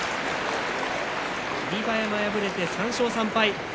霧馬山、敗れて３勝４敗。